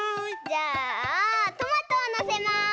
じゃあトマトをのせます。